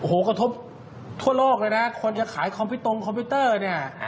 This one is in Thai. โอ้โหกระทบทั่วโลกเลยนะคนจะขายคอมพิวตรงคอมพิวเตอร์เนี่ย